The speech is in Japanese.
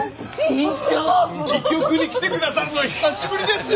医局に来てくださるのは久しぶりですよ！